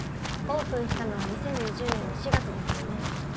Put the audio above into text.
オープンしたのは２０２０年の４月ですよね？